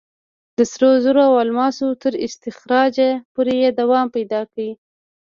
د سرو زرو او الماسو تر استخراجه پورې یې دوام پیدا کړ.